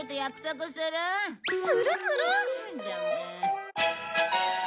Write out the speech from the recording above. するする！